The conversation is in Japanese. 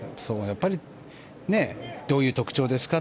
どういう特徴ですか？